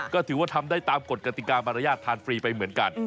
ก็ถือว่าทำได้ตามกฎกติกามารยาททานฟรีไปเหมือนกัน